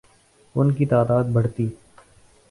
ان کی تعداد بڑھتی